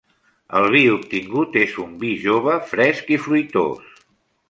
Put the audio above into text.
El vi obtingut és un vi jove fresc i fruitós.